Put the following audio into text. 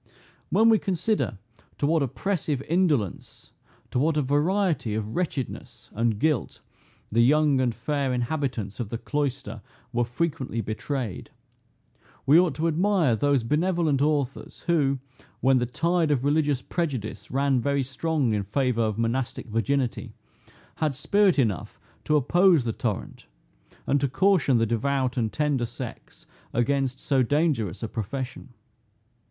When we consider to what oppressive indolence, to what a variety of wretchedness and guilt, the young and fair inhabitants of the cloister were frequently betrayed, we ought to admire those benevolent authors who, when the tide of religious prejudice ran very strong in favor of monastic virginity, had spirit enough to oppose the torrent, and to caution the devout and tender sex against so dangerous a profession.